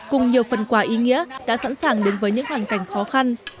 cùng nhiều phần quà ý nghĩa đã sẵn sàng đến với những hoàn cảnh khó khăn